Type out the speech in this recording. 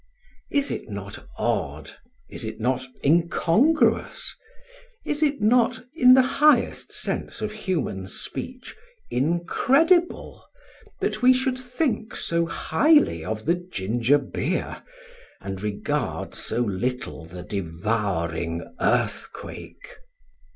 Is it not odd, is it not incongruous, is it not, in the highest sense of human speech, incredible, that we should think so highly of the ginger beer, and regard so little the devouring earthquake?